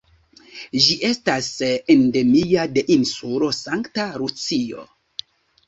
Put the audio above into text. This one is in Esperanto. Ĝi estas endemia de Insulo Sankta Lucio.